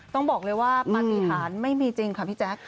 ต้องบอกเลยว่าปฏิหารไม่มีจริงค่ะพี่แจ๊ค